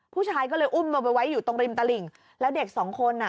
ผู้ชายก็เลยอุ้มลงไปไว้อยู่ตรงริมตลิ่งแล้วเด็กสองคนอ่ะ